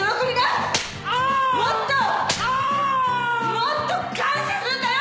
もっと感謝すんだよ